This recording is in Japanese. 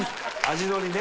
味のりね。